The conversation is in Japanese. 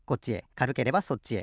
かるければそっちへ。